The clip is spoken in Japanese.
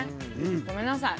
ごめんなさい。